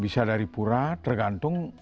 bisa dari pura tergantung